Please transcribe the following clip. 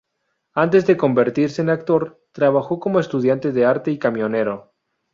Antes de convertirse en actor, trabajó como estudiante de arte y camionero.